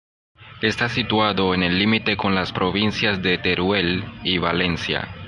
Está situado en el límite con las provincias de Teruel y Valencia.